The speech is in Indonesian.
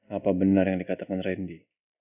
apa benar yang dikatakan randy